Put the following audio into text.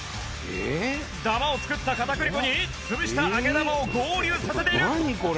ダマを作った片栗粉に潰した揚げ玉を合流させている！